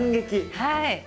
はい。